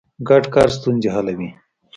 ګډ کار ستونزې حلوي.